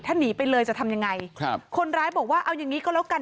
ถ้าหนีไปเลยจะทำยังไงครับคนร้ายบอกว่าเอาอย่างงี้ก็แล้วกัน